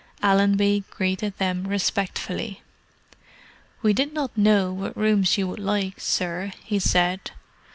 Allenby greeted them respectfully. "We did not know what rooms you would like, sir," he said.